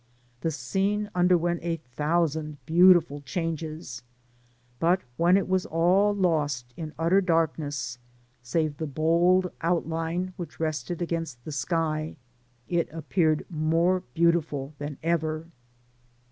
The scene underwent a thousand beautiful changes ; still, when it was all lost in utter darkness, save the bold outline which rested against the sky, it appeared more beautiful than ever.